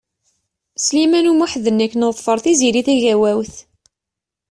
Sliman U Muḥ d nekk neḍfeṛ Tiziri Tagawawt.